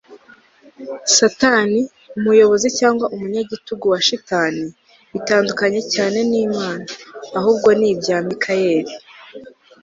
satani, umuyobozi cyangwa umunyagitugu wa shitani, bitandukanye cyane n'imana, ahubwo ni ibya mikayeli - c s lewis